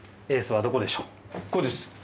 これです。